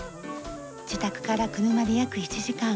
自宅から車で約１時間。